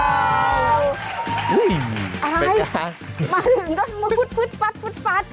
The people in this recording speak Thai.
มาถึงกันก็มึดพุทธฟัทฟุทฟัท